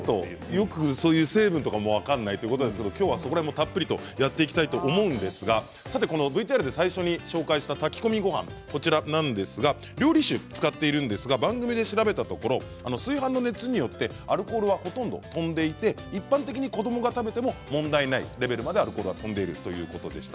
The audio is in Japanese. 成分とかもよく分からないということでたっぷり今日はやっていきたいと思うんですがＶＴＲで最初にご紹介した炊き込みごはん料理酒を使っているんですが番組で調べたところ炊飯の熱によってアルコールはほとんど飛んでいて、一般的に子どもが食べても問題ないレベルまではアルコールは飛んでいるということでした。